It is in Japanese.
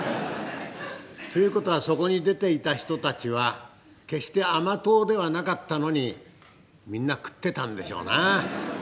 ということはそこに出ていた人たちは決して甘党ではなかったのにみんな食ってたんでしょうな。